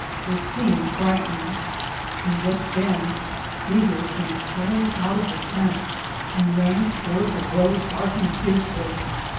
They seemed frightened, and just then Caesar came tear ing out of the tent and ran toward the road barking fiercely.